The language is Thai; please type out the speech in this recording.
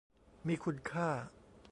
มีคุณค่า